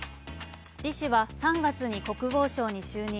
李氏は３月に国防相に就任。